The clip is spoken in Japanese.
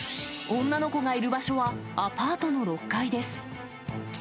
女の子がいる場所は、アパートの６階です。